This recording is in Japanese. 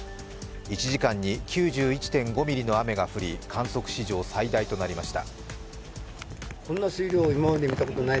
１時間に９１．５ミリの雨が降り、観測史上最大となりました。